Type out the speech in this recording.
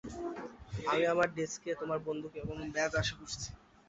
আমি আমার ডেস্কে তোমার বন্দুক এবং ব্যাজ আশা করছি।